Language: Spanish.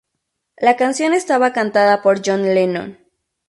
La canción estaba cantada por John Lennon.